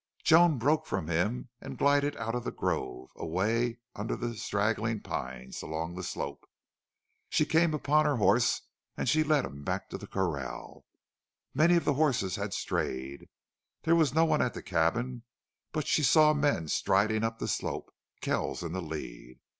Joan broke from him and glided out of the grove, away under the straggling pines, along the slope. She came upon her horse and she led him back to the corral. Many of the horses had strayed. There was no one at the cabin, but she saw men striding up the slope, Kells in the lead.